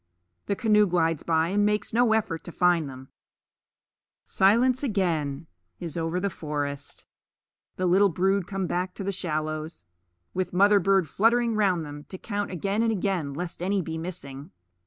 The canoe glides by and makes no effort to find them. Silence is again over the forest. The little brood come back to the shallows, with mother bird fluttering round them to count again and again lest any be missing.